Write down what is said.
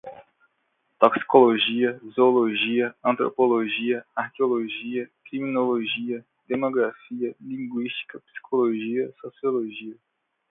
toxicologia, zoologia, antropologia, arqueologia, criminologia, demografia, linguística, psicologia, sociologia